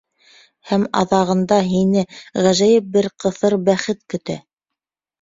Һәм аҙағында һине ғәжәйеп бер ҡыҫыр бәхет көтә.